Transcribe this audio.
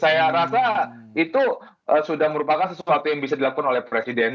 saya rasa itu sudah merupakan sesuatu yang bisa dilakukan oleh presiden